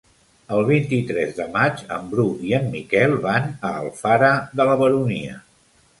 El vint-i-tres de maig en Bru i en Miquel van a Alfara de la Baronia.